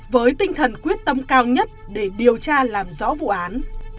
với tinh thần quyết tâm cao nhất để điều tra làm rõ vụ án